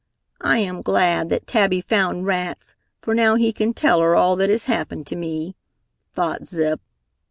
"I am glad that Tabby found Rats, for now he can tell her all that has happened to me," thought Zip.